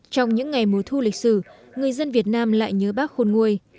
trong những ngày mùa thu lịch sử người dân việt nam lại nhớ bác khôn nguôi